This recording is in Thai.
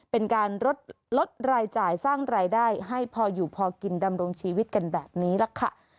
เป็นการลดรายจ่ายสร้างรายได้ให้พออยู่พอกินดำรงชีวิตกันแบบนี้ล่ะค่ะ